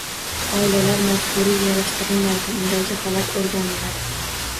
Oilalar majburiy yarashtirilmaydi, undagi holat o‘rganiladi